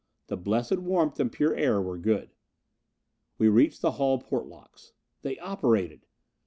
The blessed warmth and pure air were good. We reached the hull port locks. They operated!